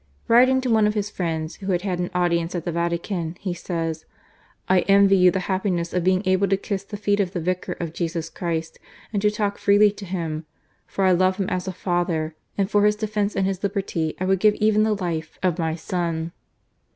Writing to one of his friends who had had an audience at the Vatican, he says: "I envy you the happiness of being able to kiss the feet of the Vicar of Jesus Christ, and to talk freely to him, for I love him as a father, and for his defence and his liberty I would give even the life of my son."